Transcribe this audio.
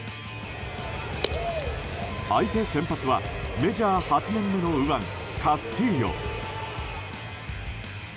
相手先発はメジャー８年目の右腕カスティーヨ。